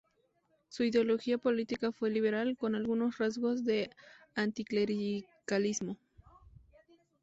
Su ideología política fue liberal, con algunos rasgos de anticlericalismo.